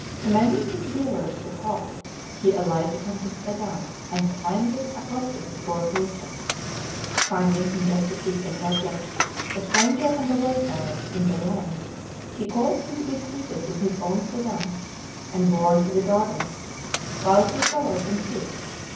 Commanding his bearers to halt, he alighted from his sedan and kindly accosted the poor creature. Finding him destitute and helpless, a stranger and a wayfarer in the land, he caused him to be seated in his own sedan, and borne to the gardens, while he followed on foot.